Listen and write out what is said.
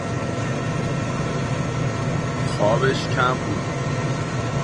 خوابش کم بود.